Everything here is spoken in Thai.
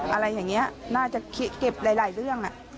อะไรอย่างนี้น่าจะเก็บหลายเรื่อง